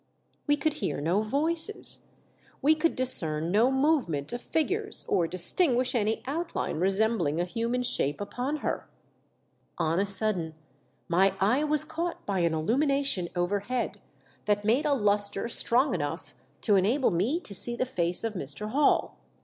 We could hear no voices. We could discern no movement of figures or distinguish any out line resembling a human shape upon her. On a sudden, my eye was caught by an illumination overhead that made a lustre strong enough to enable me to see the face of Mr. Hall.